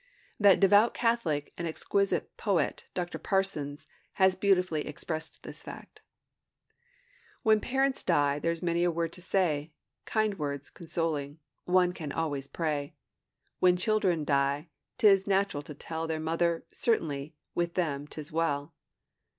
That devout Catholic and exquisite poet, Dr. Parsons, has beautifully expressed this fact: When parents die there's many a word to say Kind words, consoling one can always pray; When children die 't is natural to tell Their mother, 'Certainly with them 't is well!'